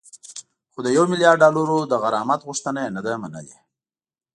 خو د یو میلیارد ډالرو د غرامت غوښتنه یې نه ده منلې